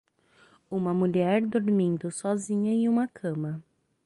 Uma mulher dormindo sozinha em uma cama.